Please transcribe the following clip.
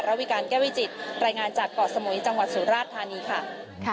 วิการแก้วิจิตรายงานจากเกาะสมุยจังหวัดสุราชธานีค่ะ